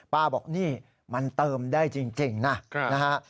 บอกนี่มันเติมได้จริงนะนะฮะ